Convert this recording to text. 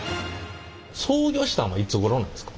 創業したんはいつごろなんですか？